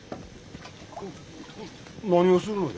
何をするんや？